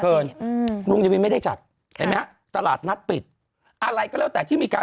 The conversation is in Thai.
อืมลุงยวินไม่ได้จัดเห็นไหมฮะตลาดนัดปิดอะไรก็แล้วแต่ที่มีการ